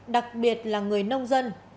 đặc biệt là người nông dân